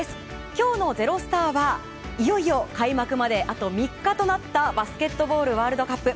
今日の「＃ｚｅｒｏｓｔａｒ」はいよいよ開幕まであと３日となったバスケットボールワールドカップ。